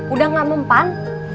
udah gak mempan